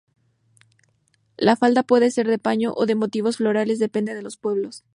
La falda puede ser de paño o de motivos florales, depende de los pueblos.